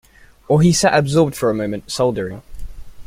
Or he sat absorbed for a moment, soldering.